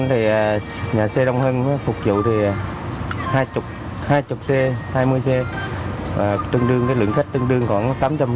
thì nhà xe đông hơn phục vụ thì hai mươi xe hai mươi xe và tương đương cái lượng khách tương đương khoảng tám trăm linh